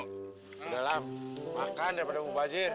udah lah makan daripada bapak azir